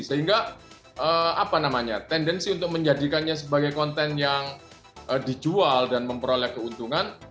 sehingga apa namanya tendensi untuk menjadikannya sebagai konten yang dijual dan memperoleh keuntungan